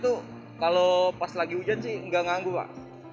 itu tuh kalau pas lagi hujan sih enggak mengganggu pak